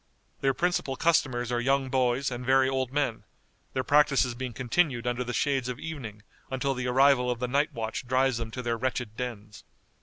Their principal customers are young boys and very old men, their practices being continued under the shades of evening until the arrival of the night watch drives them to their wretched dens.